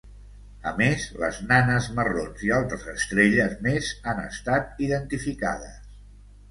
A més, les nanes marrons i altres estrelles més han estat identificades.